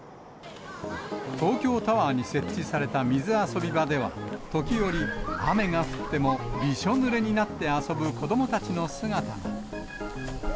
東京タワーに設置された水遊び場では、時折、雨が降ってもびしょぬれになって遊ぶ子どもたちの姿が。